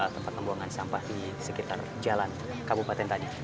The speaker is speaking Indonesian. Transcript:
tempat pembuangan sampah di sekitar jalan kabupaten tadi